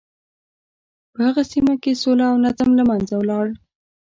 په هغه سیمه کې سوله او نظم له منځه ولاړ.